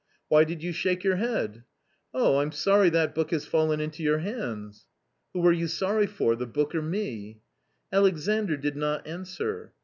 " Why did you shake your head ?"" Oh, I'm sorry that book has fallen into your hands." " Who are you sorry for — the book or me ?" Alexandr did not answer.